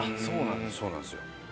そうなんですね。